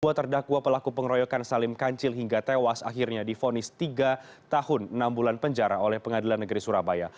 dua terdakwa pelaku pengeroyokan salim kancil hingga tewas akhirnya difonis tiga tahun enam bulan penjara oleh pengadilan negeri surabaya